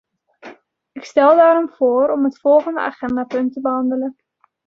Ik stel daarom voor om het volgende agendapunt te behandelen.